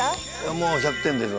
もう１００点です。